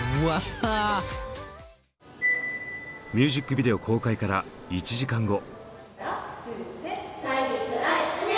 ミュージックビデオ公開から１時間後。